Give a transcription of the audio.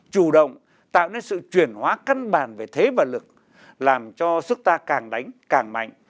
chủ động tạo nên sự chuyển hóa căn bản về thế và lực làm cho sức ta càng đánh càng mạnh